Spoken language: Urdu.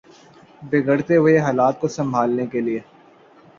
بگڑتے ہوئے حالات کو سنبھالنے کے لیے